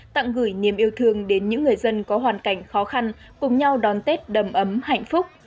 tặng gửi niềm yêu thương đến những người dân có hoàn cảnh khó khăn cùng nhau đón tết đầm ấm hạnh phúc